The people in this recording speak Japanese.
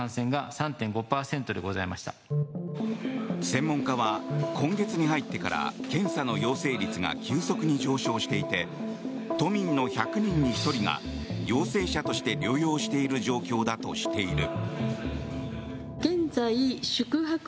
専門家は、今月に入ってから検査の陽性率が急速に上昇していて都民の１００人に１人が陽性者として療養している状況だとしている。